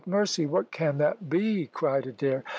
mercy what can that be?" cried Adair.